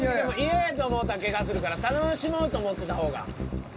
嫌やと思うたらけがするから楽しもうと思ってた方が。